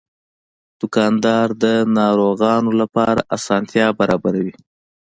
دوکاندار د ناروغانو لپاره اسانتیا برابروي.